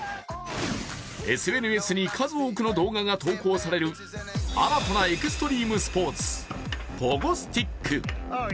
ＳＮＳに数多くの動画が投稿される新たなエクストリームスポーツポゴスティック。